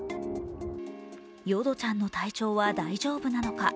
ヨドちゃんの体調は大丈夫なのか。